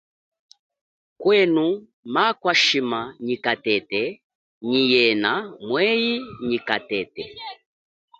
Kwenu makwa shima nyi katete nyi yena mwehi nyi katete.